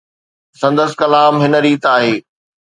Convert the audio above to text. سندس ڪلام هن ريت آهي.